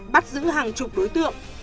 bắt giữ hàng chục đối tượng